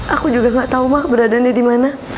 aku juga gak tau mak keadaannya dimana